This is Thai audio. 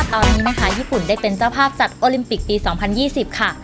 คิดรู้มั้ยว่าเปล่านะคะญี่ปุ่นได้เป็นเจ้าภาพจัดอลิมปิกปี๒๐๒๐ค่ะ